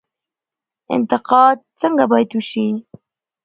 انتقاد څنګه باید وشي؟